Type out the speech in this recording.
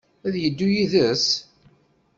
Ad yeddu yid-s?